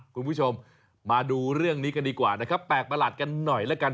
คุณผู้ชมมาดูเรื่องนี้กันดีกว่านะครับแปลกประหลาดกันหน่อยแล้วกัน